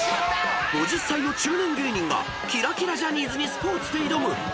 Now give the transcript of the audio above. ［５０歳の中年芸人がキラキラジャニーズにスポーツで挑む］